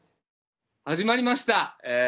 始まりました。